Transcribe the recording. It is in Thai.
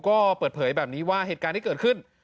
ก็เปิดเผยแบบนี้ว่าเหตุการณ์ที่เกิดขึ้น